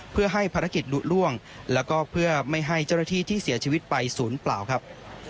เพื่อให้ภารกิจลุล่วงแล้วก็เพื่อไม่ให้เจ้าหน้าที่ที่เสียชีวิตไปศูนย์เปล่าครับ